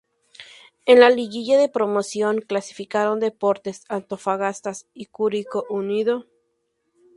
En la Liguilla de Promoción, clasificaron Deportes Antofagasta y Curicó Unido.